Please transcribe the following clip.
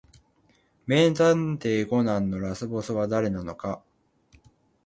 名探偵コナンのラスボスは誰なのか